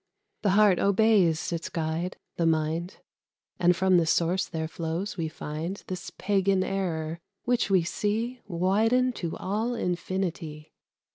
The heart obeys its guide, the mind: And from this source there flows, we find, This Pagan error, which we see Widen to all infinity.